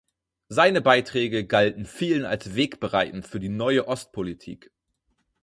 Seine Beiträge galten vielen als wegbereitend für die Neue Ostpolitik.